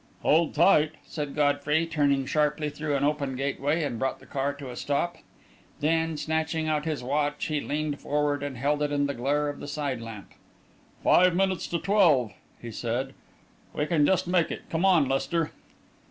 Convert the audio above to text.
"Hold tight!" said Godfrey, turned sharply through an open gateway, and brought the car to a stop. Then, snatching out his watch, he leaned forward and held it in the glare of the side lamp. "Five minutes to twelve," he said. "We can just make it. Come on, Lester."